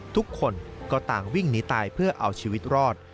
ทุกคนก็ต่างวิ่งหนีตายเพื่อเอาชีวิตรอด